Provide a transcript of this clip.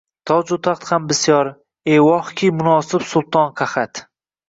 Toju taxt ham bisyor, evohki, munosib sulton qahat;